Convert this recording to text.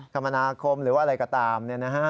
คมนาคมหรือว่าอะไรก็ตาม